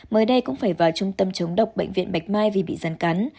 mới đây cũng phải vào trung tâm chống độc bệnh viện bạch mai vì bị rắn cắn